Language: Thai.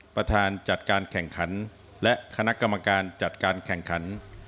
ประธานจัดการแข่งขันและคณะกรรมการจัดการแข่งขัน